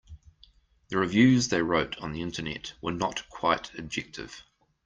The reviews they wrote on the Internet were not quite objective.